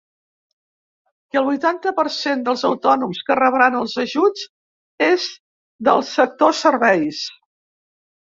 Que el vuitanta per cent dels autònoms que rebran els ajuts és del sector serveis.